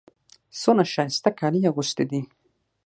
څونه ښایسته کالي يې اغوستي دي.